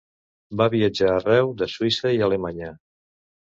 Va viatjar arreu de Suïssa i Alemanya.